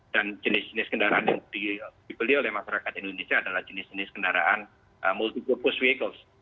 dan jenis jenis kendaraan yang dibeli oleh masyarakat indonesia adalah jenis jenis kendaraan multi purpose vehicles